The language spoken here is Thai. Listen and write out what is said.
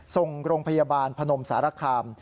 ส่งโรงพยาบาลพนมสารคาม